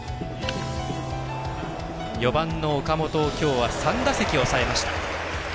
４番の岡本をきょうは３打席抑えました。